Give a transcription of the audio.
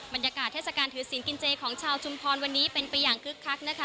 บรรยากาศเทศกาลถือศีลกินเจของชาวชุมพรวันนี้เป็นไปอย่างคึกคักนะคะ